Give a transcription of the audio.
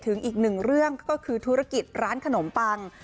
อีกหนึ่งเรื่องก็คือธุรกิจร้านขนมปัง